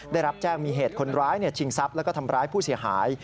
ได้รับแจ้งมีเหตุคนร้ายชิงทรัพย์แล้วก็ทำร้ายผู้เสียหาย